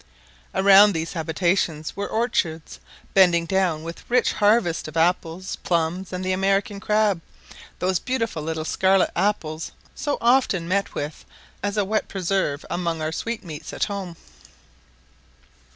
Around these habitations were orchards, bending down with a rich harvest of apples, plums, and the American crab, those beautiful little scarlet apples so often met with as a wet preserve among our sweetmeats at home.